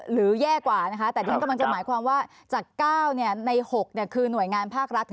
หรือแย่กว่านะคะแต่ดิฉันกำลังจะหมายความว่าจากเก้าเนี้ยในหกเนี้ยคือหน่วยงานภาครักษ์